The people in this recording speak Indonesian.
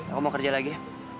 aku mau kerja lagi